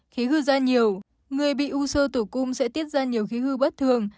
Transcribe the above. khí hư da nhiều người bị u sơ tử cung sẽ tiết ra nhiều khí hư bất thường